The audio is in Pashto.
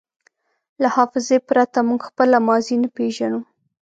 له حافظې پرته موږ خپله ماضي نه پېژنو.